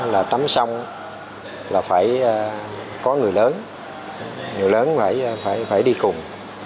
là tắm sông là phải có người lớn người lớn phải đi cùng